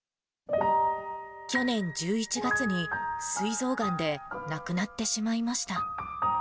去年１１月に、すい臓がんで亡くなってしまいました。